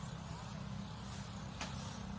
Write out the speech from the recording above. ทุกวันใหม่ทุกวันใหม่